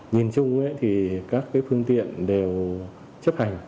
nhìn chung các phương tiện đều chấp hành